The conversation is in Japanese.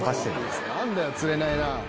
何だよつれないなぁ。